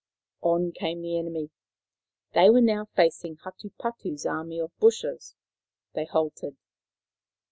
On came the enemy. They were now facing Hatupatu's army of bushes. They halted.